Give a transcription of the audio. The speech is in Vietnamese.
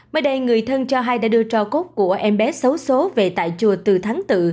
mới đây người thân cho hay đã đưa cho cốt của em bé xấu xố về tại chùa từ tháng bốn